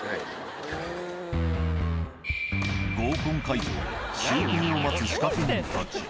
合コン会場でシュウペイを待つ仕掛人たち。